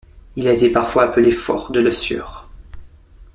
Il a été parfois appelé Fort de Le Sieur.